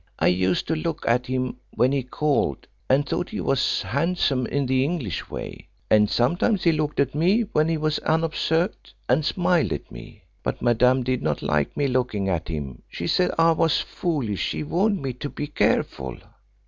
I used to look at him when he called, and thought he was handsome in the English way, and sometimes he looked at me when he was unobserved, and smiled at me. But Madame did not like me looking at him; she said I was foolish; she warned me to be careful."